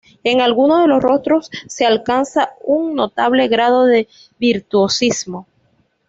En algunos de los rostros se alcanza un notable grado de virtuosismo.